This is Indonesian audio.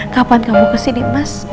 kapan kamu kesini mas